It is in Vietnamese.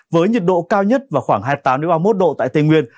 với nhiệt độ cao nhất vào khoảng hai mươi tám ba mươi một độ tại tây nguyên